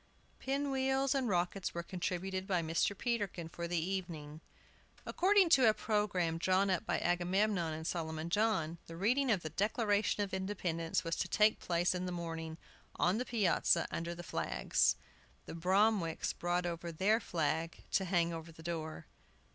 Pin wheels and rockets were contributed by Mr. Peterkin for the evening. According to a programme drawn up by Agamemnon and Solomon John, the reading of the Declaration of Independence was to take place in the morning, on the piazza, under the flags. The Bromwicks brought over their flag to hang over the door.